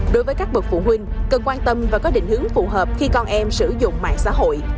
đối với các bậc phụ huynh cần quan tâm và có định hướng phù hợp khi con em sử dụng mạng xã hội